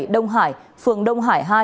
ba mươi bảy đông hải phường đông hải hai